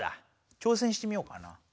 挑戦してみようかな。